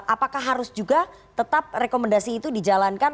apakah harus juga tetap rekomendasi itu dijalankan